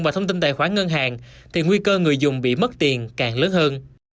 và thông tin tài khoản ngân hàng thì nguy cơ người dùng bị mất tiền càng lớn hơn